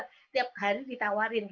setiap hari ditawarin